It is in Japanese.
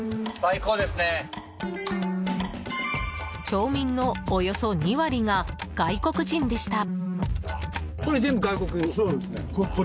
町民のおよそ２割が外国人でした。